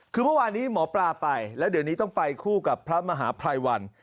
คือเมื่อวานนี้หมอปลาไปแล้วเดี๋ยวนี้ต้องไปคู่กับพระมหาภัยวัน